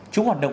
chúng hoạt động